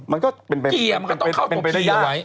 มันก็เป็นไปได้ยาก